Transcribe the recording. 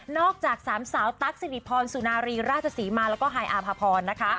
จากสามสาวตั๊กสิริพรสุนารีราชศรีมาแล้วก็ไฮอาภพรนะคะ